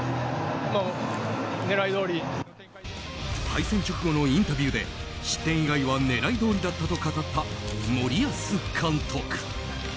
敗戦直後のインタビューで失点以外は狙い通りだったと語った森保監督。